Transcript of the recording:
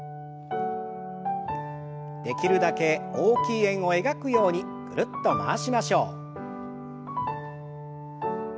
できるだけ大きい円を描くようにぐるっと回しましょう。